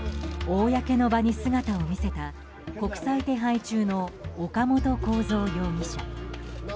公の場に姿を見せた国際手配中の岡本公三容疑者。